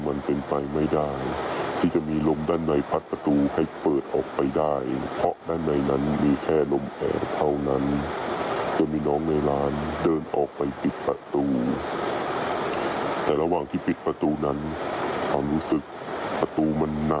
แต่ในคลิปเนี้ยเขาบอกให้ดูประตูตรงตรงฝั่งถนนเนี้ยอ่าเดี๋ยวดูนะฮะ